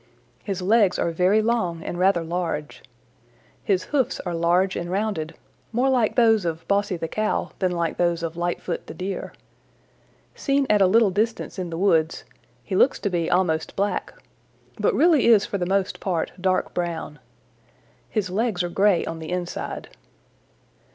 His legs are very long and rather large. His hoofs are large and rounded, more like those of Bossy the Cow than like those of Lightfoot the Deer. Seen at a little distance in the woods, he looks to be almost black, but really is for the most part dark brown. His legs are gray on the inside.